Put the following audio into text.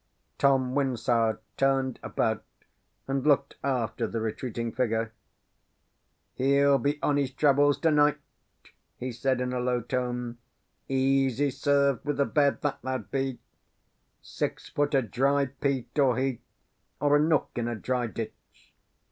Tom Wyndsour turned about and looked after the retreating figure. "He'll be on his travels to night," he said, in a low tone. "Easy served with a bed, that lad be; six foot o' dry peat or heath, or a nook in a dry ditch.